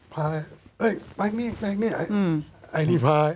ไปคลุกอีกเนี่ย